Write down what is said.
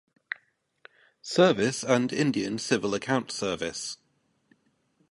Service and Indian Civil Account Service.